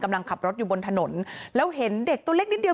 กำลังขับรถอยู่บนถนนแล้วเห็นเด็กตัวเล็กนิดเดียว